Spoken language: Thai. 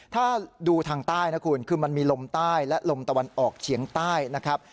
ถ้าดูทางใต้นะคุณคือมันมีลมใต้และลมตะวันออกเฉียงใต้นะครับ